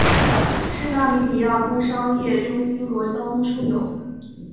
是纳米比亚工商业中心和交通枢纽。